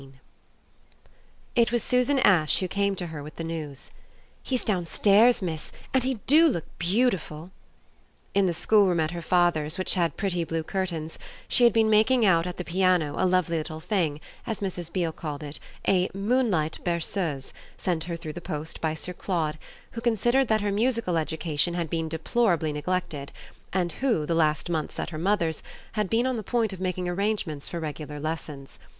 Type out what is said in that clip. XV It was Susan Ash who came to her with the news: "He's downstairs, miss, and he do look beautiful." In the schoolroom at her father's, which had pretty blue curtains, she had been making out at the piano a lovely little thing, as Mrs. Beale called it, a "Moonlight Berceuse" sent her through the post by Sir Claude, who considered that her musical education had been deplorably neglected and who, the last months at her mother's, had been on the point of making arrangements for regular lessons.